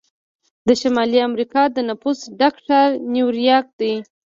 د شمالي امریکا د نفوسو ډک ښار نیویارک دی.